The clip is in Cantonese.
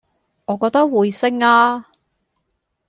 我覺得會升呀